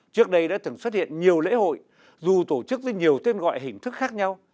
trước đây đã từng xuất hiện nhiều lễ hội dù tổ chức với nhiều tên gọi hình thức khác nhau